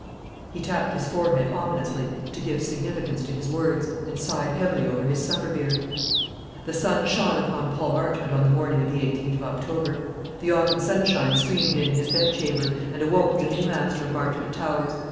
He tapped his forehead ominously to give significance to his words, and sighed heavily over his supper beer. The sun shone upon Paul Marchmont on the morning of the 18th of October. The autumn sunshine streamed into his bedchamber, and awoke the new master of Marchmont Towers.